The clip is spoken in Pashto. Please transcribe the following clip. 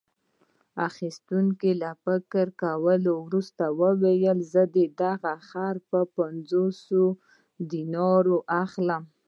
اخیستونکي له فکر کولو وروسته وویل: زه دغه خر په پنځوسو دینارو اخلم.